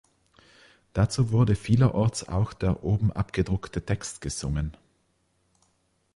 Dazu wurde vielerorts auch der oben abgedruckte Text gesungen.